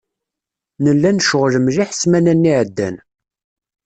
Nella necɣel mliḥ ssmana-nni iεeddan.